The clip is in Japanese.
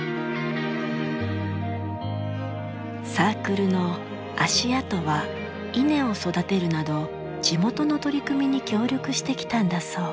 サークルのＡＳＩＡＴＯは稲を育てるなど地元の取り組みに協力してきたんだそう。